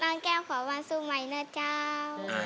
น้องแก้มขอวันสู่ใหม่แล้วจ้าว